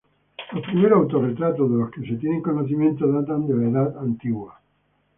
Los primeros autorretratos de los que se tiene conocimiento datan de la Edad Antigua.